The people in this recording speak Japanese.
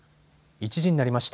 １時になりました。